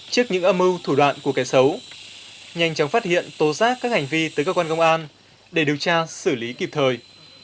trước những âm mưu thủ đoạn của kẻ xấu nhanh chóng phát hiện tố giác các hành vi tới cơ quan công an để điều tra xử lý kịp thời